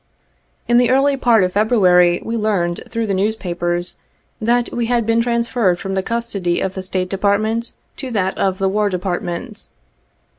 In the early part of February we learned through the newspapers that we had been transferred from the custody of the State Department to that of the War Department.